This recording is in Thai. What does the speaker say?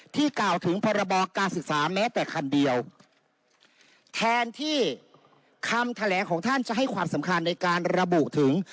กล่าวถึงพรบการศึกษาแม้แต่คันเดียวแทนที่คำแถลงของท่านจะให้ความสำคัญในการระบุถึง